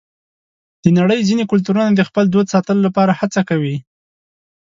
د نړۍ ځینې کلتورونه د خپل دود ساتلو لپاره هڅه کوي.